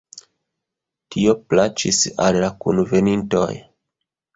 Tio plaĉis al la kunvenintoj.